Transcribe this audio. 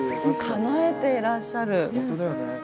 かなえていらっしゃる。